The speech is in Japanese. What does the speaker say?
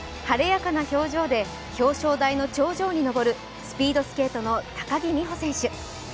晴れやかな表情で表彰台の頂上に上るスピードスケートの高木美帆選手。